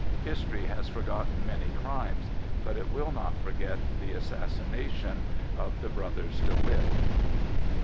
History has forgotten many crimes, but it will not forget the assassination of the brothers De Witt.